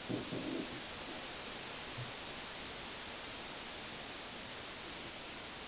فرانسویانو له دوستی څخه وبېروي.